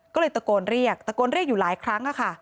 ก็เลยตะโกนเรียกตะโกนเรียกอยู่หลายครั้ง